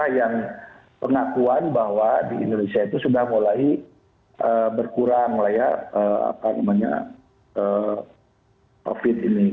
yang pengakuan bahwa di indonesia itu sudah mulai berkurang covid ini